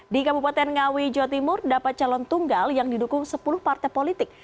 di kabupaten ngawi jawa timur dapat calon tunggal yang didukung sepuluh partai politik